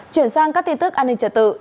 chuyển sang các tin tức an ninh trở tự